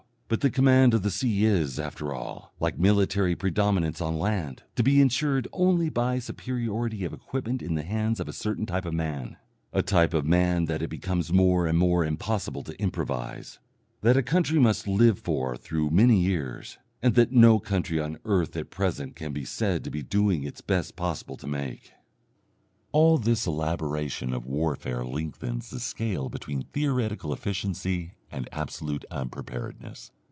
But the command of the sea is, after all, like military predominance on land, to be insured only by superiority of equipment in the hands of a certain type of man, a type of man that it becomes more and more impossible to improvise, that a country must live for through many years, and that no country on earth at present can be said to be doing its best possible to make. All this elaboration of warfare lengthens the scale between theoretical efficiency and absolute unpreparedness.